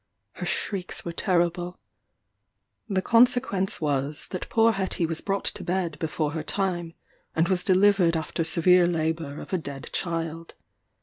Her shrieks were terrible. The consequence was that poor Hetty was brought to bed before her time, and was delivered after severe labour of a dead child.